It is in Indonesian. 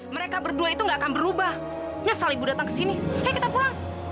mereka berdua itu gak akan berubah nyesel ibu datang kesini kayak kita pulang